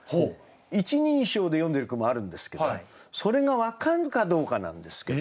一人称で詠んでる句もあるんですけどそれが分かるかどうかなんですけど。